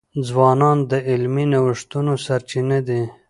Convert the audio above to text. ځوانان د علمي نوښتونو سرچینه دي.